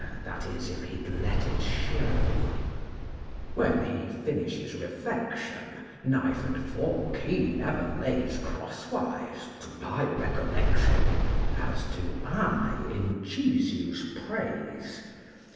(That is, if he'd let it show!) V. When he finishes refection, Knife and fork he never lays Cross wise, to my recollection, As do I, in Jesu's praise.